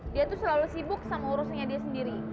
dia tuh selalu sibuk sama urusannya dia sendiri